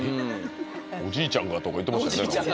「おじいちゃんが」とか言ってましたよね